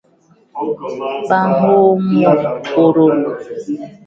Ba nhôô mut kodol.